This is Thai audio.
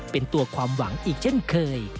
เป็นตัวความหวังอีกเช่นเคย